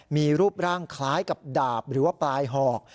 มีรูปร่างคล้ายกับดาบหรือว่าปลายหอก